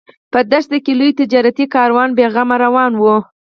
په دښته کې لوی تجارتي کاروان بې غمه روان و.